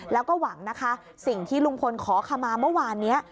แล้วก็หวังนะคะสิ่งที่ลุงพลขอขมาเมื่อวานนี้